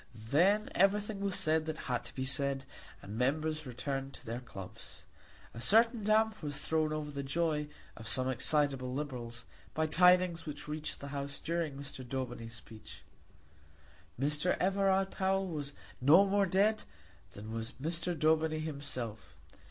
Then everything was said that had to be said, and members returned to their clubs. A certain damp was thrown over the joy of some excitable Liberals by tidings which reached the House during Mr. Daubeny's speech. Sir Everard Powell was no more dead than was Mr. Daubeny himself.